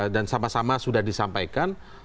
dan sama sama sudah disampaikan